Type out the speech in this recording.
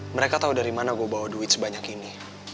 mereka tahu dari mana gue bawa duit sebanyak ini